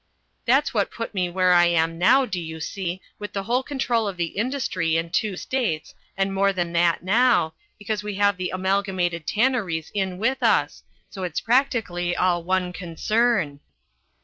That's what put me where I am now, do you see, with the whole control of the industry in two states and more than that now, because we have the Amalgamated Tanneries in with us, so it's practically all one concern.